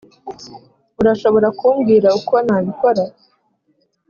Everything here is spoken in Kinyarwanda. urashobora kumbwira uko nabikora?